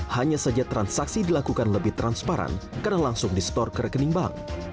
hanya saja transaksi dilakukan lebih transparan karena langsung di store ke rekening bank